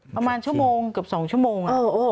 ประมาณชั่วโมงเกือบ๒ชั่วโมง